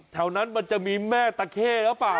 แถวนั้นมันจะมีแม่ตะเข้หรือเปล่า